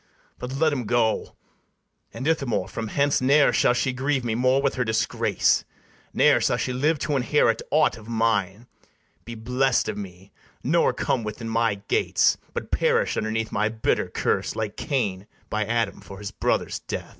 But let 'em go: and, Ithamore, from hence Ne'er shall she grieve me more with her disgrace; Ne'er shall she live to inherit aught of mine, Be bless'd of me, nor come within my gates, But perish underneath my bitter curse, Like Cain by Adam for his brother's death.